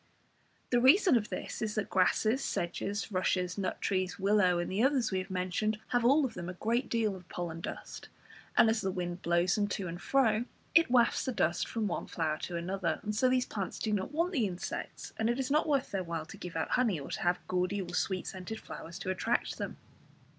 The reason of this is that grasses, sedges, rushes, nut trees, willow, and the others we have mentioned, have all of them a great deal of pollen dust, and as the wind blows them to and fro, it wafts the dust from one flower to another, and so these plants do not want the insects, and it is not worth their while to give out honey, or to have gaudy or sweet scented flowers to attract them.